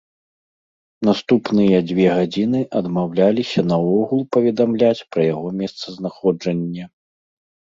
Наступныя дзве гадзіны адмаўляліся наогул паведамляць пра яго месцазнаходжанне.